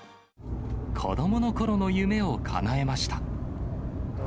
子どものころの夢をかなえました。